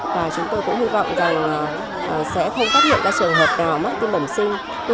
và chúng tôi cũng hy vọng rằng sẽ không phát hiện ra trường hợp nào mất tim bẩm sinh